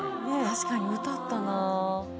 確かに歌ったな。